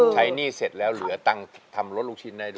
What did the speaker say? หนี้เสร็จแล้วเหลือตังค์ทำรถลูกชิ้นได้ด้วย